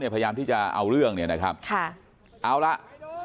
มีกล้วยติดอยู่ใต้ท้องเดี๋ยวพี่ขอบคุณ